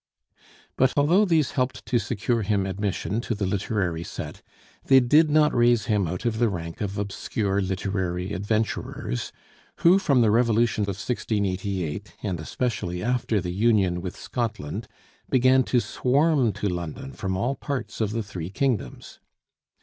But although these helped to secure him admission to the literary set, they did not raise him out of the rank of obscure literary adventurers, who from the Revolution of 1688, and especially after the union with Scotland, began to swarm to London from all parts of the three kingdoms.